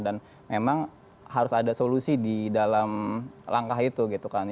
dan memang harus ada solusi di dalam langkah itu gitu kan